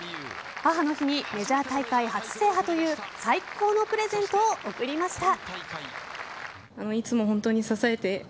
母の日にメジャー大会初制覇という最高のプレゼントを贈りました。